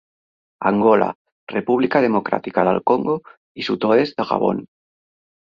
Angola, República Democràtica del Congo i sud-oest de Gabon.